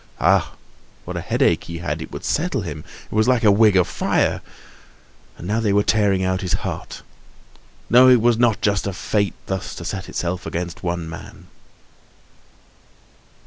Ah! what a headache he had; it would settle him! It was like a wig of fire! And now they were tearing out his heart! No, it was not just of fate thus to set itself against one man!